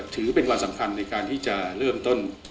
ถือเป็นวันสำคัญในการที่จะเริ่มต้น